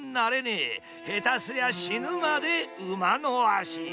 下手すりゃ死ぬまで馬の足。